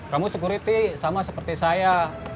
kamu security sama seperti saya